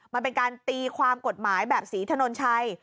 มันเป็นการตีความกฎหมายแบบศรีถนนชัย